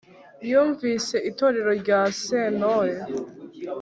Wumvise itorero rya Sentore